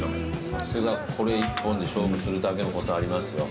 さすがこれ一本で勝負するだけのことありますよ。